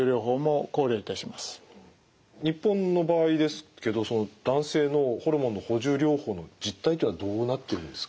日本の場合ですけどその男性のホルモンの補充療法の実態というのはどうなってるんですか？